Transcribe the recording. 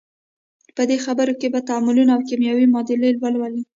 په دې څپرکي کې به تعاملونه او کیمیاوي معادلې ولولئ.